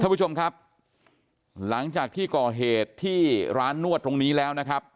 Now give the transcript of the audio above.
ผู้ชมครับหลังจากที่ก่อเหตุที่ร้านนวดตรงนี้แล้วนะครับ